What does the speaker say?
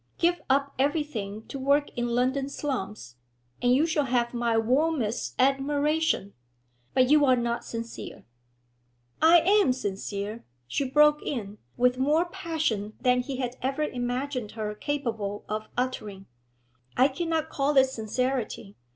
Give up everything to work in London slums, and you shall have my warmest admiration. But you are not sincere.' 'I am sincere!' she broke in, with more passion than he had ever imagined her capable of uttering. 'I cannot call it sincerity.